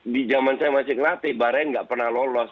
di zaman saya masih ngeratih bahrain nggak pernah lolos